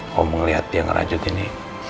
kau ngeliat dia ngerajut ini